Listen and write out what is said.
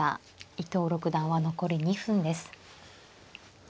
伊藤六段は残り２分です。